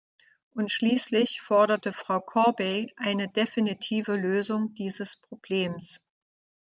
Und schließlich forderte Frau Corbey eine definitive Lösung dieses Problems.